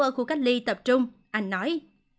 ở khu cách ly tập trung anh nói